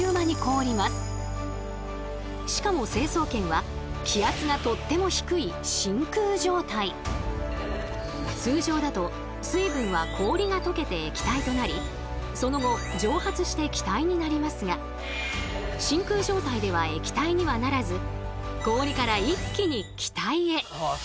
しかも成層圏は気圧がとっても低い通常だと水分は氷が解けて液体となりその後蒸発して気体になりますが真空状態では液体にはならず氷から一気に気体へ。